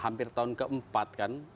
hampir tahun keempat kan